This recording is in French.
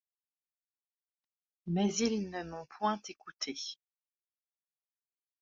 Mais ils ne m'ont point écouté.